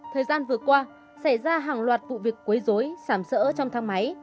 thời gian vừa qua xảy ra hàng loạt vụ việc quấy dối sảm sỡ trong thang máy